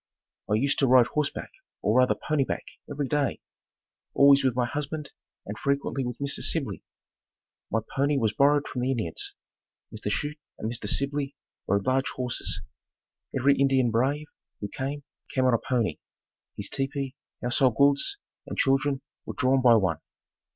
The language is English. I used to ride horseback, or rather "pony back," every day, always with my husband and frequently with Mr. Sibley. My pony was borrowed from the Indians. Mr. Chute and Mr. Sibley rode large horses. Every Indian brave, who came, came on a pony. His tepee, household goods and children were drawn by one.